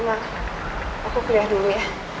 aku kuliah dulu ya